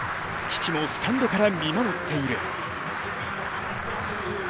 父もスタンドから見守っている。